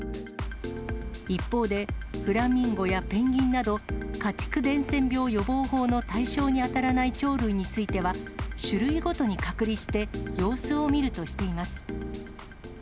一方で、フラミンゴやペンギンなど、家畜伝染病予防法の対象に当たらない鳥類については、種類ごとに隔離して、様子を見るとしています。